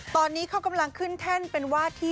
ตอนนี้เขากำลังขึ้นแท่นเป็นวาดที่